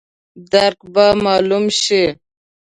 درک به مالوم شي.